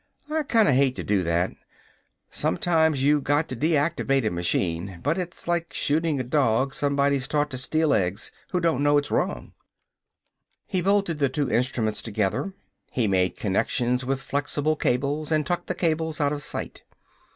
I kinda hate to do that. Sometimes you got to deactivate a machine, but it's like shooting a dog somebody's taught to steal eggs, who don't know it's wrong." He bolted the two instruments together. He made connections with flexible cables and tucked the cable out of sight.